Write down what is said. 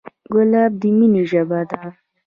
ګلاب د مینې ژبه ده.